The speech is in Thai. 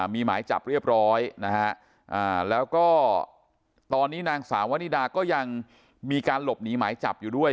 มีหมายจับเรียบร้อยนะฮะแล้วก็ตอนนี้นางสาววนิดาก็ยังมีการหลบหนีหมายจับอยู่ด้วย